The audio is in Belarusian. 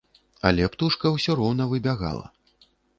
Але птушка ўсё роўна выбягала.